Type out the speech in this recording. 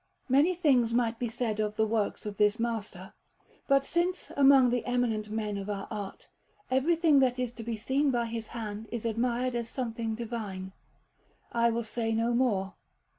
Giovanni Evangelista_) Anderson] Many things might be said of the works of this master; but since, among the eminent men of our art, everything that is to be seen by his hand is admired as something divine, I will say no more.